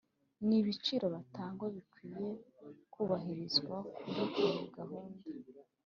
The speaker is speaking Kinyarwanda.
Ni ibiciro batanga bikwiye kubahirizwa kuri iyo gahunda